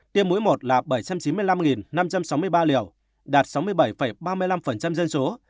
tiêm mỗi một là bảy trăm chín mươi năm năm trăm sáu mươi ba liều đạt sáu mươi bảy ba mươi năm dân số